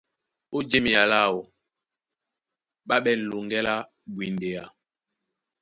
Ná ɓá wédí ó jěmea láō, ɓá ɓɛ̂n loŋgɛ́ lá bwindea.